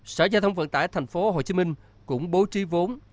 sở giao thông vận tải tp hcm cũng bố trí vốn